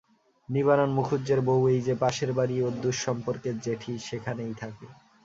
নিবারণ মুখুজ্যের বৌ-এই যে পাশের বাড়ি, ওর দূর-সম্পর্কের জেঠি-সেখানেই থাকে।